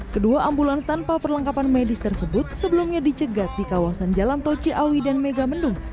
kedua ambulans tanpa perlengkapan medis tersebut sebelumnya dicegat di kawasan jalan tol ciawi dan megamendung